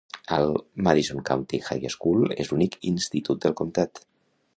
El Madison County High School és l'únic institut del comtat.